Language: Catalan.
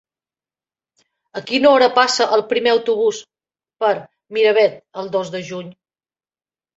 A quina hora passa el primer autobús per Miravet el dos de juny?